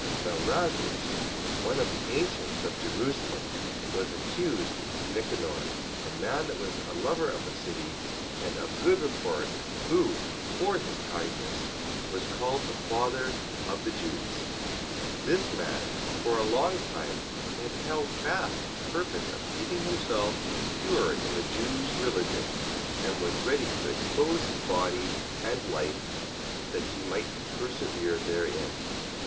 Now Razias, one of the ancients of Jerusalem, was accused to Nicanor, a man that was a lover of the city, and of good report, who for his kindness was called the father of the Jews. 14:38. This man, for a long time, had held fast his purpose of keeping himself pure in the Jews' religion, and was ready to expose his body and life, that he might persevere therein.